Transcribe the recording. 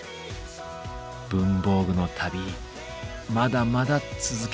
文房具の旅まだまだ続けたい。